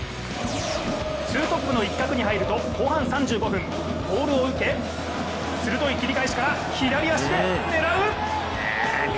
ツートップの一角に入ると後半３５分ボールを受け、鋭い切り返しから左足で狙う！